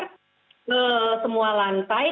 ke semua lantai